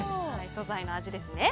素材の味ですね。